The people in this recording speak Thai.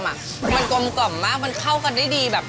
มันกลมกล่อมมากมันเข้ากันได้ดีแบบ